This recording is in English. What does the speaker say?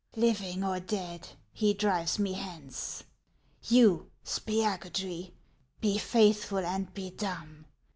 " Living or dead, he drives me hence. You, Spiagudry, be faithful and be dumb.